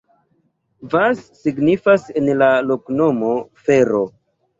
Vas signifas en la loknomo: fero.